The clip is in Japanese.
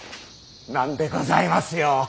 なんでございますよ。